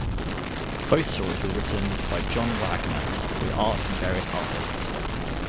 Both stories were written by John Wagner with art from various artists.